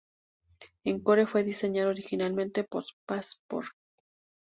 Encore fue diseñado originalmente por Passport.